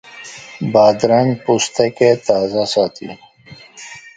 بادرنګ د پوستکي تازه ساتي.